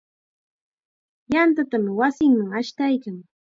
Yantatam wasinman ashtaykan.